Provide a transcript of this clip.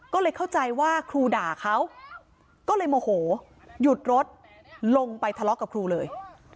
ก็เลยเข้าใจว่าครูด่าเขาก็เลยโมโหหยุดรถลงไปทะเลาะกับครูเลย